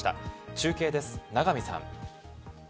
中継です、永見さん。